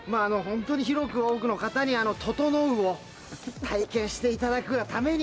広く多くの方にととのうを体験していただくがために。